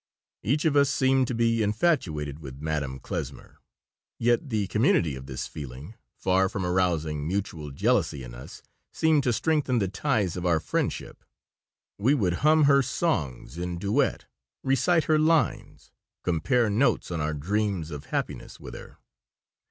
Each of us seemed to be infatuated with Madame Klesmer. Yet the community of this feeling, far from arousing mutual jealousy in us, seemed to strengthen the ties of our friendship We would hum her songs in duet, recite her lines, compare notes on our dreams of happiness with her.